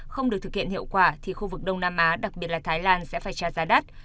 không được thực hiện hiệu quả thì khu vực đông nam á đặc biệt là thái lan sẽ phải trả giá đắt